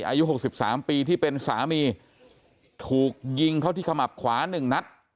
อายุ๖๓ปีที่เป็นสามีถูกยิงเข้าที่ขมับขวา๑นัด